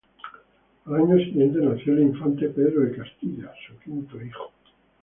Al año siguiente nació el infante Pedro de Castilla, su quinto hijo.